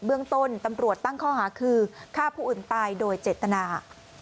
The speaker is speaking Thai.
เบื้องต้นตำรวจตั้งข้อหาคือฆ่าผู้อื่นตายโดยเจตนา